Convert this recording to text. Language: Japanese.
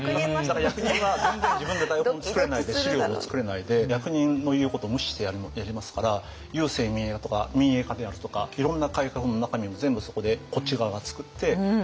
だから役人は全然自分で台本作れないで資料も作れないで役人の言うことを無視してやりますから郵政民営化であるとかいろんな改革の中身も全部そこでこっち側が作ってじゃあこれやっちゃおう。